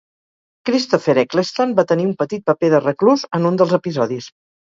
Christopher Eccleston va tenir un petit paper de reclús en un dels episodis.